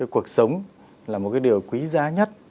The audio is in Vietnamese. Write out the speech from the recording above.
cuộc sống là một cái điều quý giá nhất